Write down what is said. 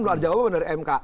belum ada jawaban dari mk